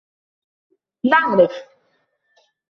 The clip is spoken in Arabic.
نعرف.